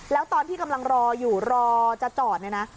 แล้วตอนที่กำลังรออยู่รอจะจอดเนี่ยนะ